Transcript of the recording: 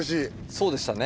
そうでしたね。